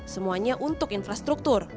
semuanya untuk infrastruktur